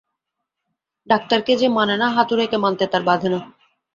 ডাক্তারকে যে মানে না হাতুড়েকে মানতে তার বাধে না।